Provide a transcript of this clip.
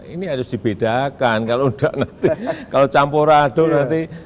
ini harus dibedakan kalau campur adon nanti